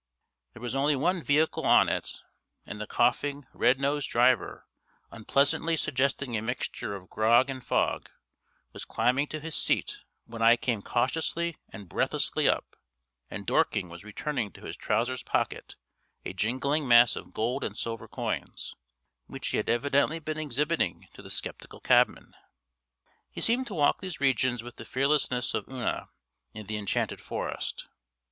There was only one vehicle on it, and the coughing, red nosed driver, unpleasantly suggesting a mixture of grog and fog, was climbing to his seat when I came cautiously and breathlessly up, and Dorking was returning to his trousers' pocket a jingling mass of gold and silver coins, which he had evidently been exhibiting to the sceptical cabman. He seemed to walk these regions with the fearlessness of Una in the enchanted forest.